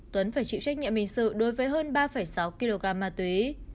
tuấn phải chịu trách nhiệm hình sự đối với hơn ba sáu kg ma túy